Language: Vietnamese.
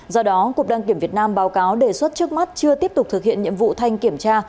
do đó cục đăng kiểm việt nam báo cáo đề xuất trước mắt chưa tiếp tục thực hiện nhiệm vụ thanh kiểm tra